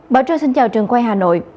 bảo trời xin chào trường quay hà nội